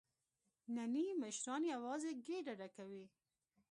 نني مشران یوازې ګېډه ډکوي.